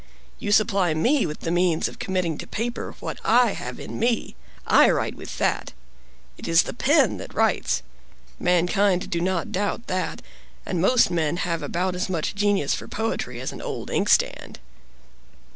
You supply me with the means of committing to paper what I have in me; I write with that. It is the pen that writes. Mankind do not doubt that; and most men have about as much genius for poetry as an old inkstand."